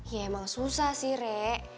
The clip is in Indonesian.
ya emang susah sih rek